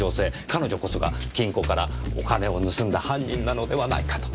彼女こそが金庫からお金を盗んだ犯人なのではないかと。